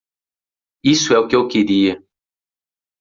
Isso é o que eu queria.